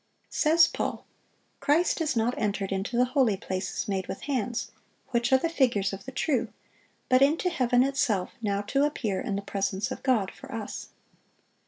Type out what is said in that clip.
Says Paul, "Christ is not entered into the holy places made with hands, which are the figures of the true; but into heaven itself, now to appear in the presence of God for us."